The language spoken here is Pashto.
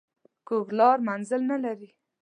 کوږه لار منزل نه لري